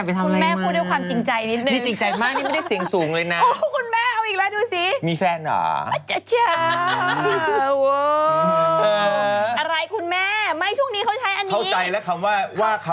คุณแม่พูดด้วยความจริงใจนิดนึง